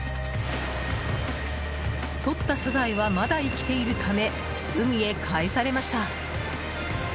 とったサザエはまだ生きているため海へかえされました。